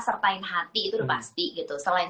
sertain hati itu udah pasti gitu selain